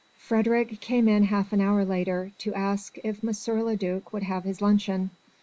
Frédérick came in half an hour later to ask if M. le duc would have his luncheon.